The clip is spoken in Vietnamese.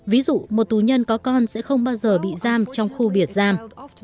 ví dụ một tù nhân có con sẽ không bao giờ bị giam trong khu biệt giam